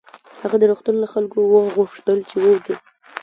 هغه د روغتون له خلکو وغوښتل چې ووځي